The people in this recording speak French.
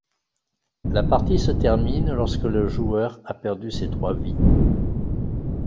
La partie se termine lorsque le joueur a perdu ses trois vies.